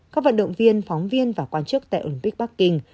các vận động viên phóng viên và quan chức tại olympic bắc kinh